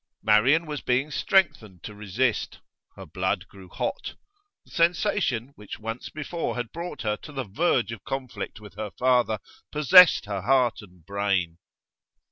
Marian was being strengthened to resist. Her blood grew hot; the sensation which once before had brought her to the verge of conflict with her father possessed her heart and brain.